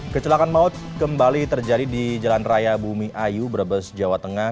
kecelakaan maut kembali terjadi di jalan raya bumi ayu brebes jawa tengah